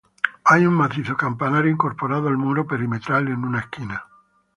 Hay un macizo campanario incorporado al muro perimetral en una esquina.